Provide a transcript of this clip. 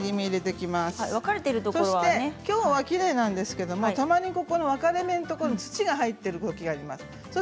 きょうはきれいなんですが分かれ目のところに土が入ってるときがあります。